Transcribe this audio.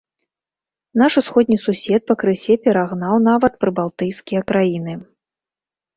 Наш усходні сусед пакрысе перагнаў нават прыбалтыйскія краіны.